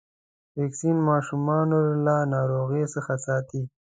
واکسین ماشومان له ناروغيو څخه ساتي.